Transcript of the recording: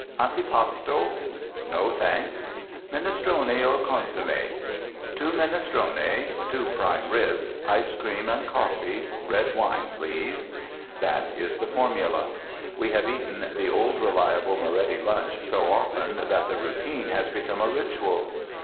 "Antipasto?" "No, thanks." "Minestrone or consommé?" "Two minestrone, two prime ribs, ice cream and coffee. Red wine, please." That is the formula. We have eaten the "old reliable Moretti lunch" so often that the routine has become a ritual.